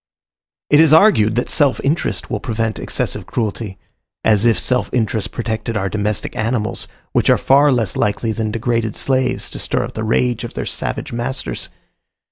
It is argued that self interest will prevent excessive cruelty; as if self interest protected our domestic animals, which are far less likely than degraded slaves, to stir up the rage of their savage masters.